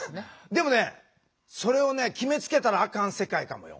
でもねそれを決めつけたらあかん世界かもよ。